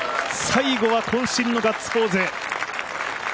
最後はこん身のガッツポーズ。